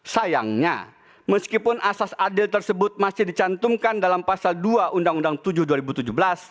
sayangnya meskipun asas adil tersebut masih dicantumkan dalam pasal dua undang undang tujuh dua ribu tujuh belas